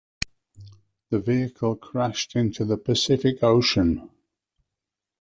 The vehicle crashed into the Pacific Ocean.